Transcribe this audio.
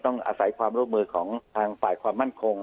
ต้องอาศัยความร่วมมือของทางฝ่ายความมั่นคง